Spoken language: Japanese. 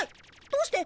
どうして？